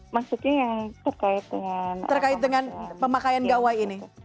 maksudnya yang terkait dengan pemakaian gawai ini